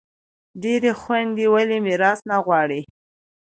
ډیری خویندي ولي میراث نه غواړي؟